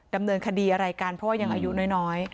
ดำเนินคดีอะไรกันเพราะว่ายังอายุน้อย